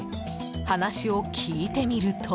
話を聞いてみると。